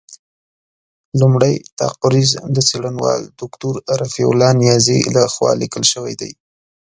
لومړۍ تقریض د څېړنوال دوکتور رفیع الله نیازي له خوا لیکل شوی دی.